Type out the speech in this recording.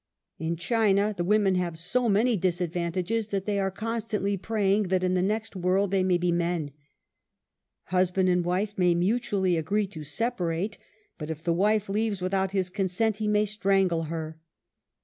In China, the women have so many disadvantages^^ that they are constantly praying that in the next world they may be men. Husband and wife may mutually agree to separate, but if the wife leaves without his consent, he may strangle her.